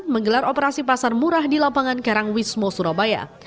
menggelar operasi pasar murah di lapangan karangwismo surabaya